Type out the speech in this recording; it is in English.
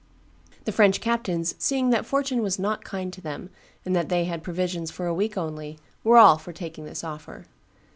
The French captains, seeing that fortune was not kind to them, and that they had provisions for a week only, were all for taking this offer.